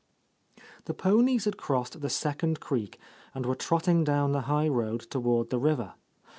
The ponies had crossed the second creek and were trotting down the high road toward the river.